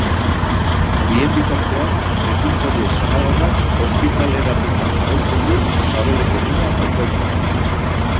Bien bitartean, ekintzaile sahararrak ospitaleratuta jarraitzen du, sabeleko mina baitauka.